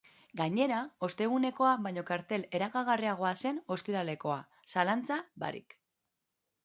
Gainera, ostegunekoa baino kartel erakargarriagoa zen ostiralekoa, zalantza barik.